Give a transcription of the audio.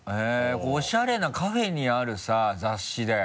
これおしゃれなカフェにある雑誌だよ。